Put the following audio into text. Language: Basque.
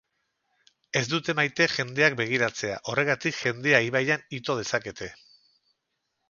Ez dute maite jendeak begiratzea, horregatik jendea ibaian ito dezakete.